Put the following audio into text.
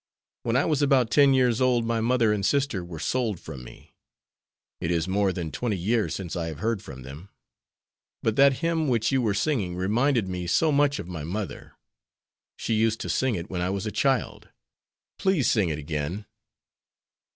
When I was about ten years old my mother and sister were sold from me. It is more than twenty years since I have heard from them. But that hymn which you were singing reminded me so much of my mother! She used to sing it when I was a child. Please sing it again."